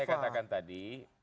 pertama saya katakan tadi